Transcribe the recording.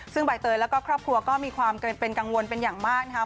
ซึ่งใบเตยแล้วก็ครอบครัวก็มีความเป็นกังวลเป็นอย่างมากนะครับ